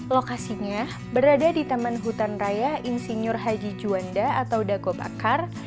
lokasinya berada di taman hutan raya insinyur haji juanda atau dago bakar